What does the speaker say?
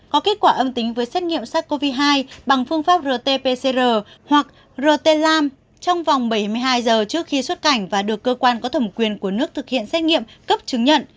có kết quả âm tính với xét nghiệm sars cov hai bằng phương pháp rt pcr hoặc rt lam trong vòng bảy mươi hai giờ trước khi xuất cảnh và được cơ quan có thẩm quyền của nước thực hiện xét nghiệm cấp chứng nhận